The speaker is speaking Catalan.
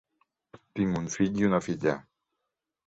Tinc un fill i una filla.